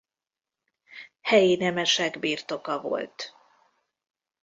Helyi nemesek birtoka volt.